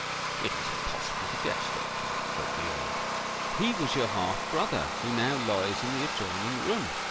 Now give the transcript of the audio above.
"It is impossible to guess, doctor," said the Earl. "He was your half brother, who now lies in the adjoining room!"